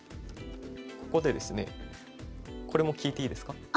ここでですねこれも聞いていいですか？